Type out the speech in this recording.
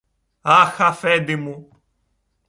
Αχ, Αφέντη μου!